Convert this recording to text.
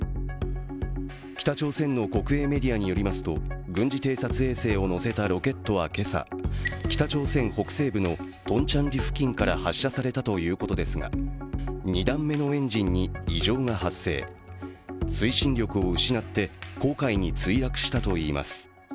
北朝鮮の国営メディアによりますと軍事偵察衛星をのせたロケットは今朝、北朝鮮北西部のトンチャンリ付近から発射されたということですが２段目のエンジンに異常が発生、推進力を失って黄海に墜落したといいます。